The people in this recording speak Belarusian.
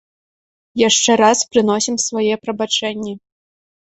Яшчэ раз прыносім свае прабачэнні.